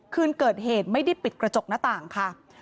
คืนเกิดเหตุไม่ได้ปิดกระจกหน้าต่างค่ะ